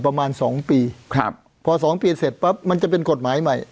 ประมาณสองปีครับพอสองปีเสร็จปั๊บมันจะเป็นกฎหมายใหม่